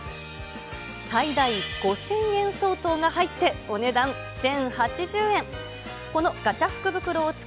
最大５０００円相当が入ってお値段１０８０円。